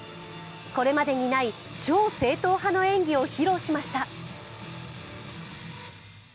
これまでにない超正統派の演技を披露しました。